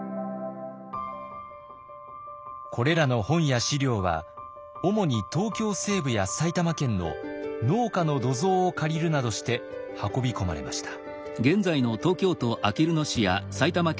これらの本や史料は主に東京西部や埼玉県の農家の土蔵を借りるなどして運び込まれました。